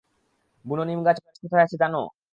বুনো নিম গাছ কোথায় আছে জানো?